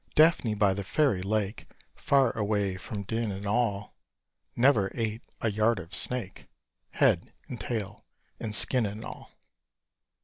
Daphne by the fairy lake, Far away from din and all, Never ate a yard of snake, Head and tail and skin and all.